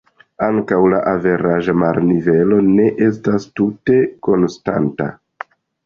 Ankaŭ la averaĝa marnivelo ne estas tute konstanta.